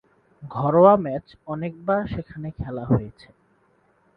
ঘরোয়া ম্যাচ অনেকবার সেখানে খেলা হয়েছে।